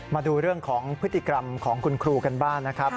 มาดูเรื่องของพฤติกรรมของคุณครูกันบ้างนะครับ